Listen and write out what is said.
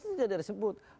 tgpp itu tidak disebut